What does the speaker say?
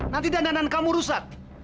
nanti dandanan kamu rusak